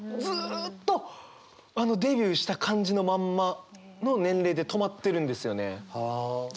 ずっとデビューした感じのまんまの年齢で止まってるんですよね。